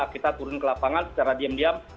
kita turun ke lapangan secara diam diam